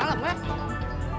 bisa kesen besin